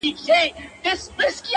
تر دې وروسته مې لټون وکړ